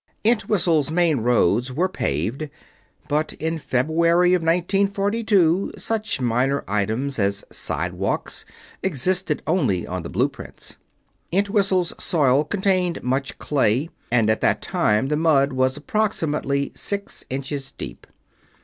Entwhistle's main roads were paved; but in February of 1942, such minor items as sidewalks existed only on the blue prints. Entwhistle's soil contained much clay, and at that time the mud was approximately six inches deep.